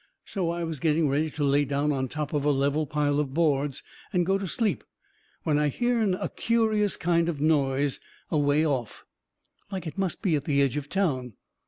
So I was getting ready to lay down on top of a level pile of boards and go to sleep when I hearn a curious kind of noise a way off, like it must be at the edge of town.